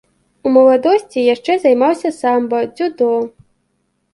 У маладосці яшчэ займаўся самба, дзюдо.